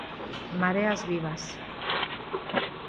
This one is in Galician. Mareas vivas.